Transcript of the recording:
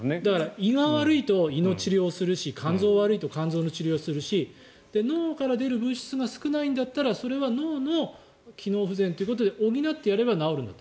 胃が悪いと胃の治療をするし肝臓が悪いと肝臓の治療をするし脳から出る物質が少ないんだったらそれは脳の機能不全ということで補ってやれば治るんだと。